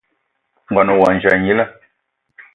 Ngón ohandja gnila